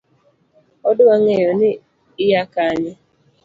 Odwa ng'eyo ni Iya kanye?